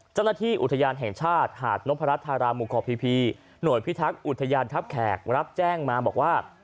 เจ้าหน้าที่อุทยานแห่งชาติหาดนพรัชธารามุคอพีพีหน่วยพิทักษ์อุทยานทัพแขกรับแจ้งมาบอกว่า